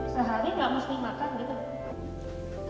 sehari nggak mesti makan gitu